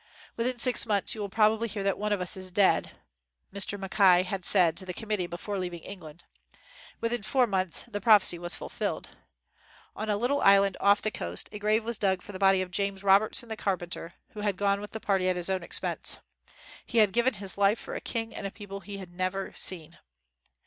"Within six months you will probably hear that one of us is dead," Mr. Mackay had said to the committee before leaving Eng land. Within four months the prophecy was fulfilled. On a little island off the coast, a grave was dug for the body of James Robertson the carpenter, who had gone with the party at his own expense. He had given his life for a king and a people he had never seen.